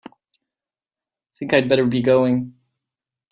Think I'd better be going.